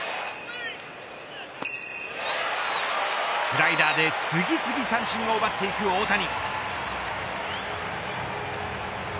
スライダーで次々三振を奪っていく大谷。